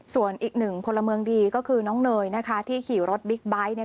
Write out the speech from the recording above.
ส่วนอีกหนึ่งพลเมืองดีก็คือน้องเนยนะคะที่ขี่รถบิ๊กไบท์เนี่ย